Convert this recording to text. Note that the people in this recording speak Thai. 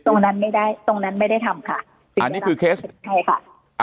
ตรงนั้นไม่ได้ตรงนั้นไม่ได้ทำค่ะอันนี้คือเคสใช่ค่ะ